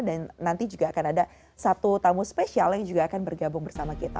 dan nanti juga akan ada satu tamu spesial yang juga akan bergabung bersama kita